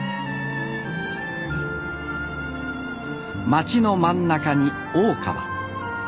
街の真ん中に大川。